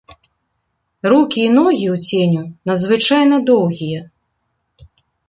Рукі і ногі ў ценю надзвычайна доўгія.